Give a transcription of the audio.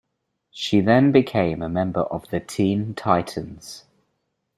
She then became a member of the Teen Titans.